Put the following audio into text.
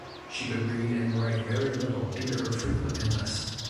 She could read and write very little due to her frequent illness.